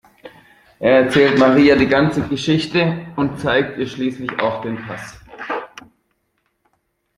Er erzählt Maria die ganze Geschichte und zeigt ihr schließlich auch den Pass.